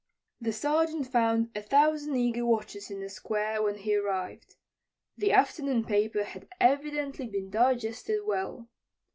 The Sergeant found a thousand eager watchers in the Square when he arrived. The afternoon paper had evidently been digested well.